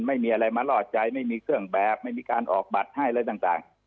ไม่มีอะไรมาล่อใจไม่มีเครื่องแบบไม่มีการออกบัตรให้อะไรต่าง